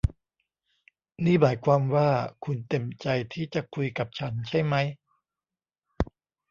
นี่หมายความว่าคุณเต็มใจที่จะคุยกับฉันใช่มั้ย